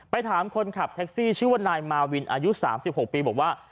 ถามคนขับแท็กซี่ชื่อว่านายมาวินอายุ๓๖ปีบอกว่า